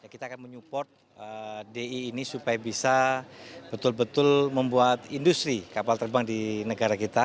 kita akan menyupport di ini supaya bisa betul betul membuat industri kapal terbang di negara kita